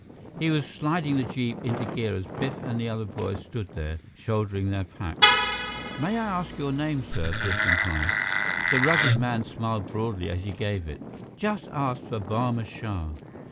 He was sliding the jeep into gear as Biff and the other boys stood there, shouldering their packs. "May I ask your name, sir?" Biff inquired. The rugged man smiled broadly, as he gave it: "Just ask for Barma Shah."